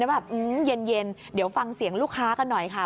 แบบเย็นเดี๋ยวฟังเสียงลูกค้ากันหน่อยค่ะ